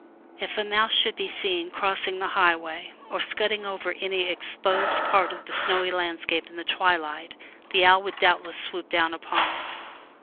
If a mouse should be seen crossing the Ifl^^^l^ highway, or scudding over any exposed part of rfn^^mM the snowy surface in the twilight, the owl would 'Mf^/M doubtless swoop down uponit.